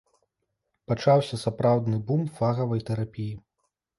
Пачаўся сапраўдны бум фагавай тэрапіі.